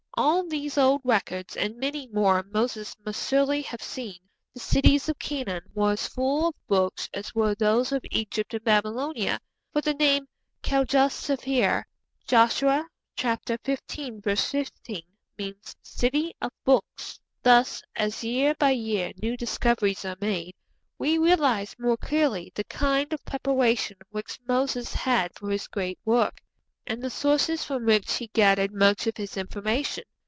All these old records and many more Moses must surely have seen; the cities of Canaan were as full of books as were those of Egypt and Babylonia, for the name 'Kirjath sepher' (Joshua xv. 15) means 'City of Books.' Thus, as year by year new discoveries are made, we realize more clearly the kind of preparation which Moses had for his great work, and the sources from which he gathered much of his information.